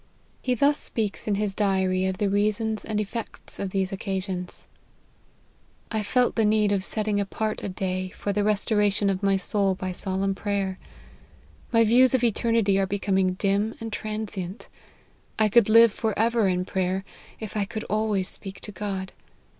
He thus speaks in his diary of the reasons and effect of these occasions : LIFE OF HENRY MARTYX. 37 " I felt the need of setting apart a day for the restoration of my soul by solemn prayer : my views of eternity are becoming dim and transient. I could live for ever in prayer, if I could always speak to God.